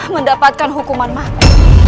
mendapatkan hukuman mata